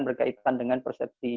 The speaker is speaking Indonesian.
berkaitan dengan persepsi